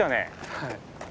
はい。